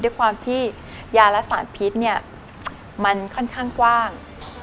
ด้วยความที่ยาและสารพิษเนี่ยมันค่อนข้างกว้าง